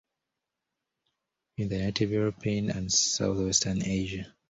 It is native to Europe and southwestern Asia.